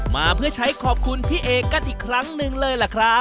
มาเพื่อใช้ขอบคุณพี่เอกกันอีกครั้งหนึ่งเลยล่ะครับ